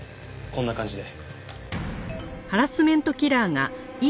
こんな感じで。